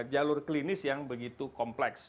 jalur klinis yang begitu kompleks